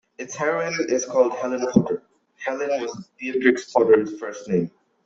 Its heroine is called Helen Potter; Helen was Beatrix Potter's first name.